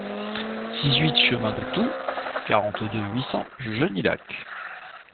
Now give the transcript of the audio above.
dix-huit chemin de Toux, quarante-deux, huit cents, Genilac